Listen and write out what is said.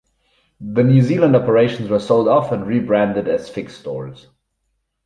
The New Zealand operations were sold off and rebranded as Fix stores.